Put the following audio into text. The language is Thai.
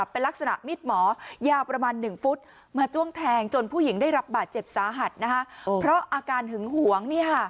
เป็นลักษณะมีดหมอยาวประมาณ๑ฟุตมาจ้วงแทงจนผู้หญิงได้รับบาดเจ็บสาหัสเพราะอาการหึงหวง